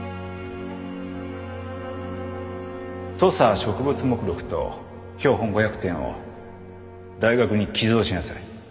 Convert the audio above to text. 土佐植物目録と標本５００点を大学に寄贈しなさい。